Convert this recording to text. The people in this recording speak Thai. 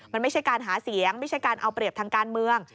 มันไม่ใช่การหาเสียงไม่ใช่การเอาเปรียบทางการเมือง